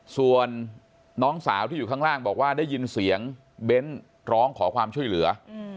ส่วนน้องสาวที่อยู่ข้างล่างบอกว่าได้ยินเสียงเบ้นร้องขอความช่วยเหลือ